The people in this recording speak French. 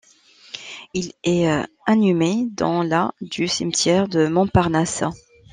Il est inhumé dans la du cimetière du Montparnasse.